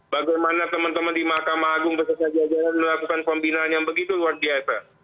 bagaimana teman teman di mahkamah agung beserta jajaran melakukan pembinaan yang begitu luar biasa